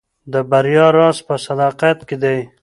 د بریا راز په صداقت کې دی.